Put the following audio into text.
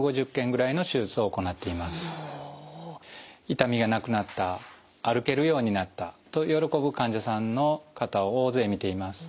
痛みがなくなった歩けるようになったと喜ぶ患者さんの方を大勢見ています。